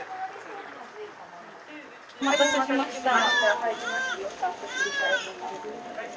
お待たせしました。